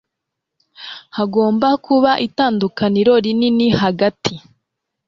Hagomba kuba itandukaniro rinini hagati